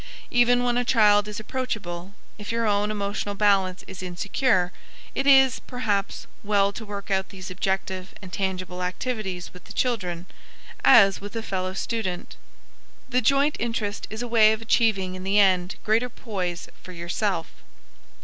Even when a child is approachable, if your own emotional balance is insecure, it is, perhaps, well to work out these objective and tangible activities with the children, as with a fellow student. The joint interest is a way of achieving in the end greater poise for yourself.